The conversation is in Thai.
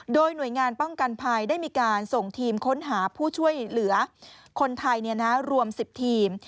โดยหน่วยงานป้องกันภัยได้มีการส่งทีมค้นหาผู้ช่วยเหลือคนไทยรวม๑๐ทีม